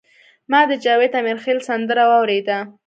ما د جاوید امیرخیل سندره واوریده.